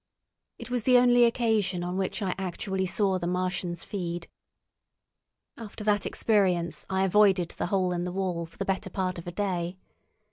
It was the only occasion on which I actually saw the Martians feed. After that experience I avoided the hole in the wall for the better part of a day.